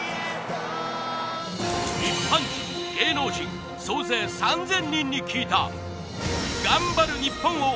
一般人芸能人総勢３０００人に聞いた。